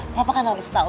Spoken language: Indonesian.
papa kan harus tau